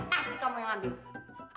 pasti kamu yang ambil